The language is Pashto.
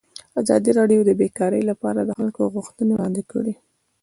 ازادي راډیو د بیکاري لپاره د خلکو غوښتنې وړاندې کړي.